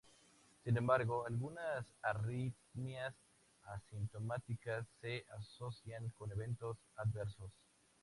Sin embargo, algunas arritmias asintomáticas se asocian con eventos adversos.